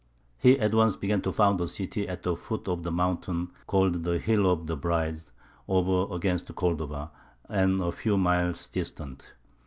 He at once began to found a city at the foot of the mountain called the "Hill of the Bride," over against Cordova, and a few miles distant.